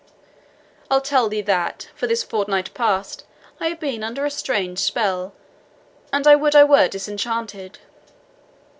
I tell thee that, for this fortnight past, I have been under a strange spell, and I would I were disenchanted.